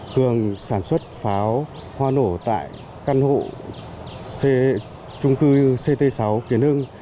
cường sản xuất pháo hoa nổ tại căn hộ trung cư ct sáu kiến hưng